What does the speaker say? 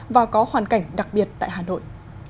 và có hoàn cảnh đặc biệt tại hà nội